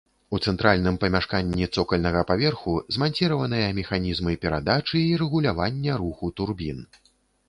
У цэнтральным памяшканні цокальнага паверху зманціраваныя механізмы перадачы і рэгулявання руху турбін.